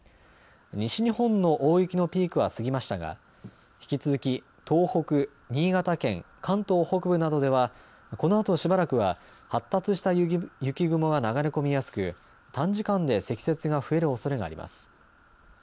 西日本の大雪のピークは過ぎましたが引き続き東北、新潟県、関東北部などではこのあとしばらくは発達した雪雲が流れ込みやすく短時間で積雪が増えるおそれがあります。